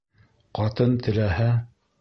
Ҡатын теләһә